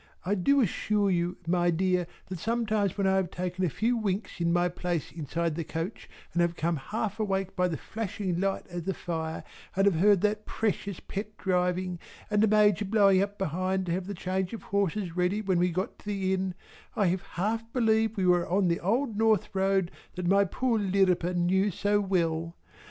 I do assure you my dear that sometimes when I have taken a few winks in my place inside the coach and have come half awake by the flashing light of the fire and have heard that precious pet driving and the Major blowing up behind to have the change of horses ready when we got to the Inn, I have half believed we were on the old North Road that my poor Lirriper knew so well.